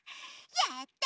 やった！